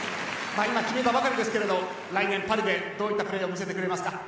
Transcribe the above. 今決めたばかりですが来年パリでどういったプレーを見せてくれますか。